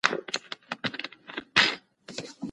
که ځوان درک نسي نو بغاوت کوي.